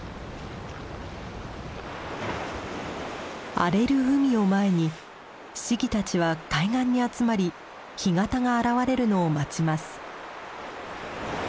荒れる海を前にシギたちは海岸に集まり干潟が現れるのを待ちます。